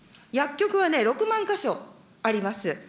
薬局は６万か所あります。